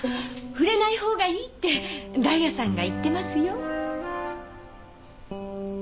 触れない方がいいってダイヤさんが言ってますよ。